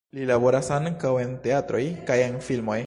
Li laboras ankaŭ en teatroj kaj en filmoj.